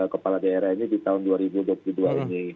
kepala daerah ini di tahun dua ribu dua puluh dua ini